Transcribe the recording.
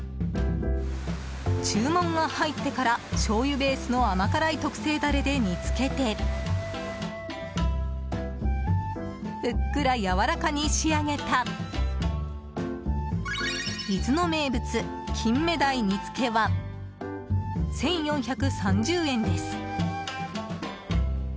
注文が入ってからしょうゆベースの甘辛い特製ダレで煮付けてふっくら、やわらかに仕上げた伊豆の名物金目鯛煮付けは１４３０円です。